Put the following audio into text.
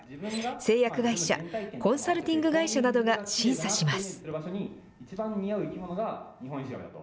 製薬会社、コンサルティング会社などが審査します。